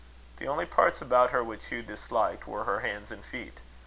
The only parts about her which Hugh disliked, were her hands and feet.